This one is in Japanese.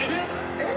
えっ！